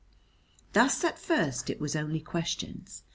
Thus at first it was only questions.